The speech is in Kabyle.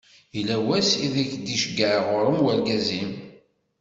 Yella wass ideg d-iceggeɛ ɣur-m urgaz-im?